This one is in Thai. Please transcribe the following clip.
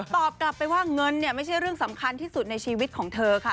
ตอบกลับไปว่าเงินเนี่ยไม่ใช่เรื่องสำคัญที่สุดในชีวิตของเธอค่ะ